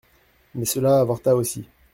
Mais cela avorta aussi.